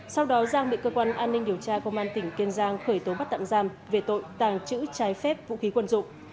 sau đó giang bị cơ quan an ninh điều tra công an tỉnh kiên giang khởi tố bắt tạm giam về tội tàng trữ trái phép vũ khí quân dụng